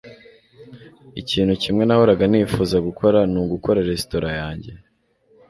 Ikintu kimwe nahoraga nifuza gukora ni ugukora resitora yanjye